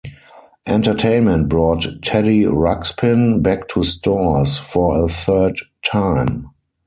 Entertainment brought Teddy Ruxpin back to stores for a third time.